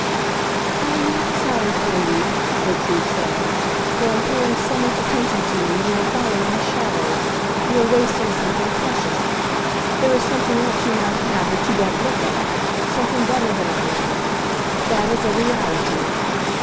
"I am not sorry for you," Gertrude said; "for in paying so much attention to me you are following a shadow—you are wasting something precious. There is something else you might have that you don't look at—something better than I am. That is a reality!"